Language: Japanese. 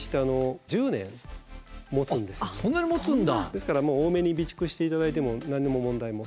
ですから多めに備蓄して頂いても何も問題も。